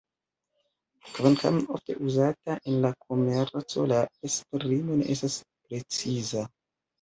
Kvankam ofte uzata en la komerco la esprimo ne estas preciza.